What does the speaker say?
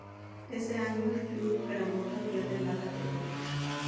Ese año el club granota pierde la categoría.